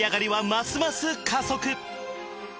ますます加速